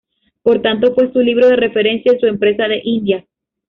Por tanto, fue su libro de referencia en su Empresa de Indias.